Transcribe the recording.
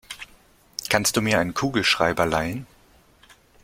Kannst du mir einen Kugelschreiber leihen?